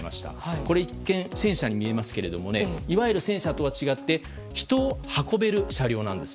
これ一見、戦車に見えますがいわゆる戦車とは違って人を運べる車両です。